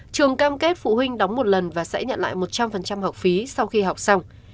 trường cam kết phụ huynh đóng một lần và sẽ nhận lại một trăm linh học phí sau khi học xong